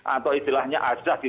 atau istilahnya asdah